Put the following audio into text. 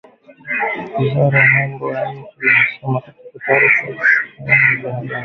Wizara ya Mambo ya Nje imesema katika taarifa kwa vyombo vya habari